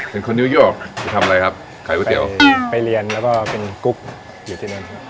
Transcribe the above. เป็นคนยุโยปทำอะไรครับขายก๋วยเตี๋ยวไปเรียนแล้วก็เป็นกุ๊กอยู่ที่นั่น